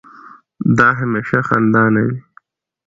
دا هميشه خندانه وي